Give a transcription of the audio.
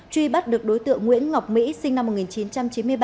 truy bắt được đối tượng nguyễn ngọc mỹ sinh năm một nghìn chín trăm chín mươi ba